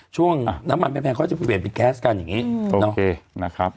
ช่วงน้ำมันแพงเขาจะเปลี่ยนเป็นแก๊สกันอย่างนี้นะครับ